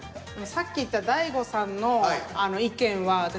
さっき言った大悟さんの意見は私